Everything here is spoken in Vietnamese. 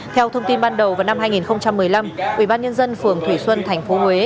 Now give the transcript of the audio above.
theo thông tin ban đầu vào năm hai nghìn một mươi năm ủy ban nhân dân phường thủy xuân tp huế